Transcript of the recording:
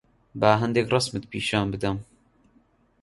با هەندێک ڕەسمت پیشان بدەم.